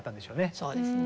そうですね。